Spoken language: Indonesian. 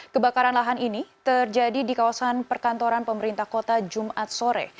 kebakaran lahan ini terjadi di kawasan perkantoran pemerintah kota jumat sore